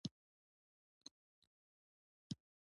محدودالمسوولیت شرکتونه د پانګهوالو د شتمنیو ساتنه کوي.